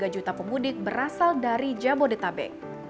empat belas tiga juta pemudik berasal dari jabodetabek